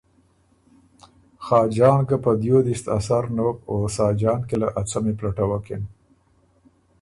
خاجان ګۀ په دیو دست ا سر نوک او ساجان کی له ا څمی پلټوکِن۔